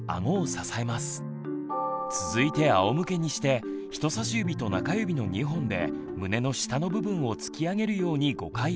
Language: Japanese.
続いてあおむけにして人さし指と中指の２本で胸の下の部分を突き上げるように５回圧迫。